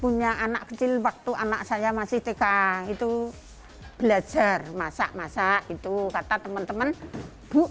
punya anak kecil waktu anak saya masih tika itu belajar masak masak itu kata temen temen buk